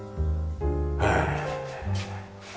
へえ。